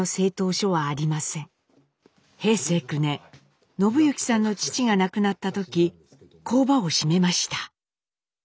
平成９年伸幸さんの父が亡くなった時工場を閉めました。